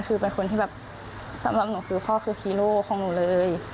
คือเป็นคนที่แบบสำหรับหนูคือพ่อคือฮีโร่ของหนูเลย